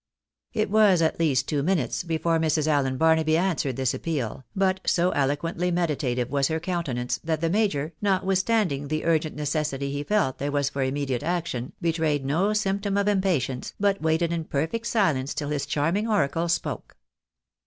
It was at least two minutes before Mrs. Allen Barnaby answered this appeal, but so eloquently meditative was her countenance that the major, notwithstanding the urgent necessity he felt there was for immediate action, betrayed no symptom of impatience, but waited in perfect silence till las charming oracle spoke.